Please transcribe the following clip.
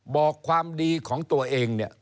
บอกความดีของตัวเองเนี่ย